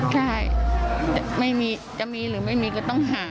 ใช่จะมีหรือไม่มีก็ต้องหา